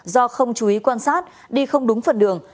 do không chú ý quan sát đi không đúng phần đường